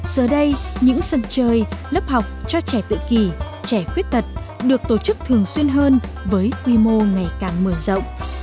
giờ đây những sân chơi lớp học cho trẻ tự kỷ trẻ khuyết tật được tổ chức thường xuyên hơn với quy mô ngày càng mở rộng